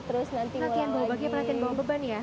terus nanti ngulang lagi latihan bawa baki ya latihan bawa beban ya